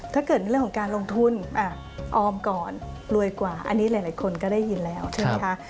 ถ้าเกิดในเรื่องของการลงทุนออมก่อนรวยกว่าอันนี้หลายคนก็ได้ยินแล้วใช่ไหมคะ